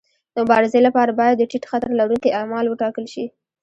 د مبارزې لپاره باید د ټیټ خطر لرونکي اعمال وټاکل شي.